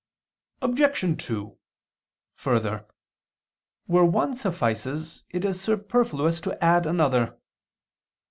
Obj. 2: Further, where one suffices it is superfluous to add another.